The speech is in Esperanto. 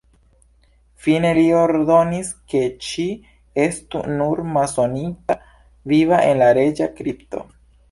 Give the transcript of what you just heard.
Fine li ordonis, ke ŝi estu "nur" masonita viva en la reĝa kripto.